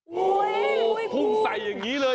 พุ่งไสเสียงอย่างงี้เลย